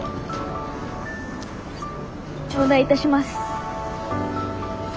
頂戴いたします。